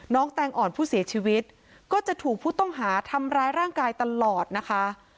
แตงอ่อนผู้เสียชีวิตก็จะถูกผู้ต้องหาทำร้ายร่างกายตลอดนะคะ